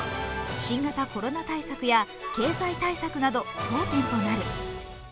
新型コロナ対策や経済対策など争点となる。